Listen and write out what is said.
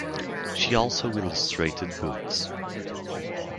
She also illustrated books.